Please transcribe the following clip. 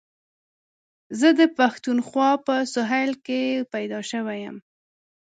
زه د پښتونخوا په سهېل کي پيدا شوی یم.